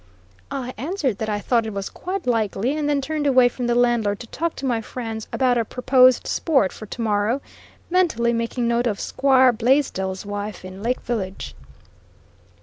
I answered that I thought it was quite likely, and then turned away from the landlord to talk to my friends about our proposed sport for to morrow, mentally making note of 'Squire Blaisdell's wife in Lake Village.